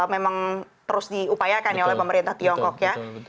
memang terus diupayakan oleh pemerintah tiongkok ya